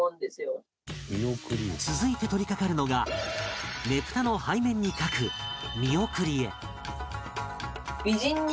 続いて取りかかるのがねぷたの背面に描く見送り絵